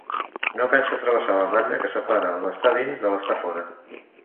No pensa travessar la ratlla que separa l'estar dins de l'estar fora.